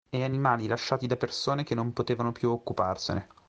E animali lasciati da persone che non potevano più occuparsene.